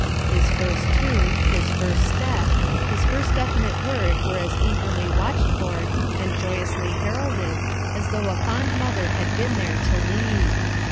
His first tooth, his first step, his first definite word were as eagerl}^ watched for and as joyously heralded as though a fond mother had been there to lead.